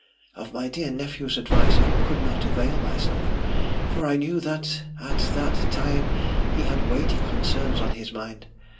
Of my dear nephew's advice I could not avail myself, for I knew that at that time he had weighty concerns on his mind.